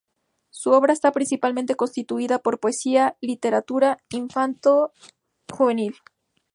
Su obra está principalmente constituida por poesía y literatura infanto-juvenil.